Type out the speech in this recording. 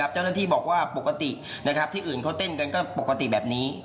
เจ้าหน้าที่บอกว่าปกติที่อื่นเขาเต้นกันก็ปกติแบบนี้